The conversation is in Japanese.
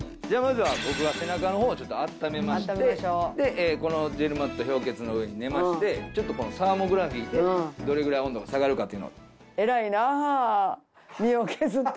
僕が背中のほうをちょっと温めましてこのジェルマット氷結の上に寝ましてサーモグラフィーでどれぐらい温度が下がるかっていうのを。